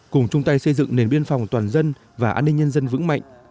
cùng chung tay xây dựng nền biên phòng toàn dân và an ninh nhân dân vững mạnh